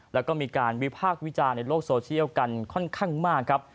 แล้วก็มีการวิพากษ์วิจารณ์ในโลกโซเชียลกันค่อนข้างมากครับ